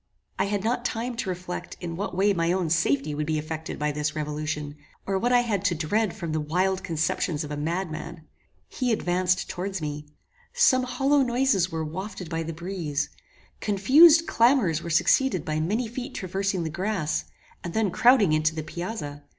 I had not time to reflect in what way my own safety would be effected by this revolution, or what I had to dread from the wild conceptions of a madman. He advanced towards me. Some hollow noises were wafted by the breeze. Confused clamours were succeeded by many feet traversing the grass, and then crowding intO the piazza.